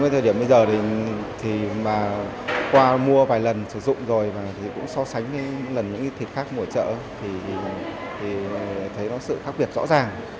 trong thời điểm bây giờ thì qua mua vài lần sử dụng rồi và cũng so sánh với lần những thịt khác mỗi chợ thì thấy nó sự khác biệt rõ ràng